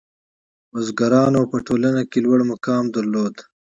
• بزګران په ټولنه کې لوړ مقام درلود.